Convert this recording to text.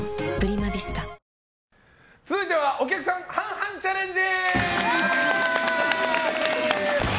続いてはお客さん半々チャレンジ！